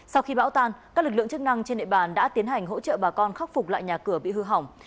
sau khi bão tan các lực lượng chức năng trên địa bàn đã tiến hành hỗ trợ bà con khắc phục lại nhà cửa bị hư hỏng